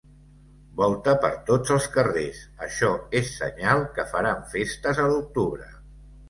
Volta per tots els carrers; això és senyal que faran festes a l'octubre.